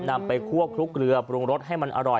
นำไปคั่วคลุกเกลือปรุงรสให้มันอร่อย